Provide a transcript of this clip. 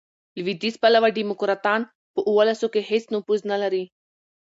لوېدیځ پلوه ډیموکراټان، په اولسو کښي هیڅ نفوذ نه لري.